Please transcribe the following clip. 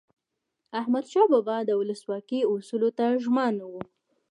احمدشاه بابا به د ولسواکۍ اصولو ته ژمن و.